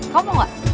kamu mau nggak